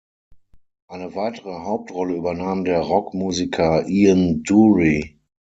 Eine weitere Hauptrolle übernahm der Rockmusiker Ian Dury.